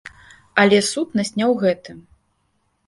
Але сутнасць не ў гэтым.